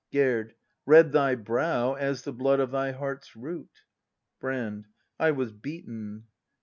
Gerd. Red thy brow As the blood of thy heart's root! Brand. I was beaten.